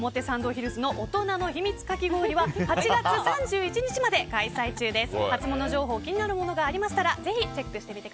ヒルズの大人のヒミツかき氷は８月３１日まで開催中です。